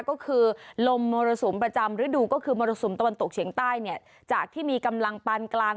ก็คือลมมรสุมประจำฤดูก็คือมรสุมตะวันตกเฉียงใต้เนี่ยจากที่มีกำลังปานกลาง